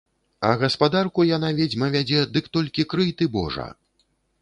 А гаспадарку яна, ведзьма, вядзе, дык толькі крый ты божа!